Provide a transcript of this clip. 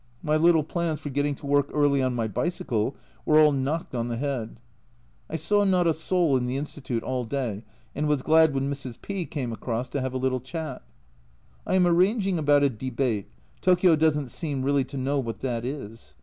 My little plans for getting to work early on my bicycle were all knocked on the head. I saw not a soul in the Institute all day, and was glad when Mrs. P came across to have a little chat. I am arranging about a Debate, Tokio doesn't seem really to know what that is